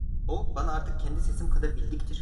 O, bana artık kendi sesim kadar bildiktir.